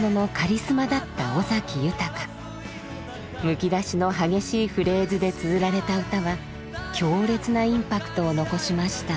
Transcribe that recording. むき出しの激しいフレーズでつづられた歌は強烈なインパクトを残しました。